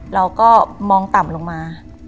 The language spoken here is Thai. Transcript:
เราก็มองต่ำลงมา